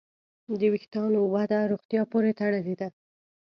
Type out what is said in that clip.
د وېښتیانو وده روغتیا پورې تړلې ده.